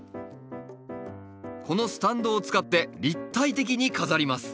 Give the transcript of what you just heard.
このスタンドを使って立体的に飾ります。